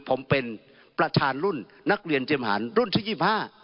ผมเป็นประธานรุ่นนักเรียนเตรียมหารรุ่นที่๒๕